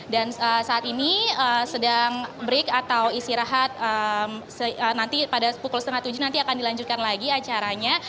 dan saat ini sedang break atau istirahat nanti pada pukul setengah tujuh nanti akan dilanjutkan lagi acaranya